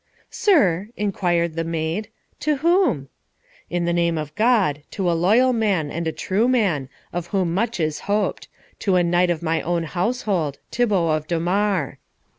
"Sir," inquired the maid, "to whom?" "In the name of God, to a loyal man, and a true man, of whom much is hoped; to a knight of my own household, Thibault of Dommare."